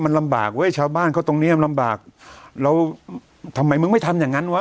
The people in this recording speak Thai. มันลำบากเว้ยชาวบ้านเขาตรงเนี้ยมันลำบากแล้วทำไมมึงไม่ทำอย่างงั้นวะ